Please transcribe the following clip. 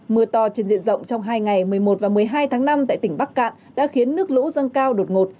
mưa to trên diện rộng trong hai ngày một mươi một và một mươi hai tháng năm tại tỉnh bắc cạn đã khiến nước lũ dâng cao đột ngột